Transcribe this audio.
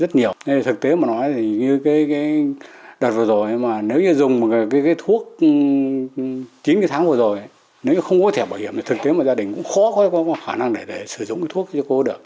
rất nhiều thực tế mà nói thì như cái đợt vừa rồi mà nếu như dùng cái thuốc chín cái tháng vừa rồi nếu không có thẻ bảo hiểm thì thực tế mà gia đình cũng khó có khả năng để sử dụng cái thuốc chứ cô được